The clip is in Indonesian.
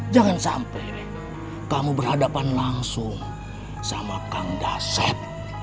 jangan sampai kamu berhadapan langsung sama kang daset